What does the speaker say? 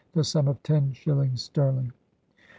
. the sum of tenne shillings sterling. .